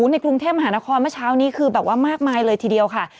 ในกรุงเทพมหานครเมื่อเช้านี้คือแบบว่ามากมายเลยทีเดียวค่ะ